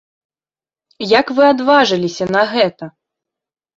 Як вы адважыліся на гэта?